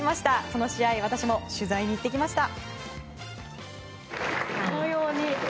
その試合、私も取材に行ってきました。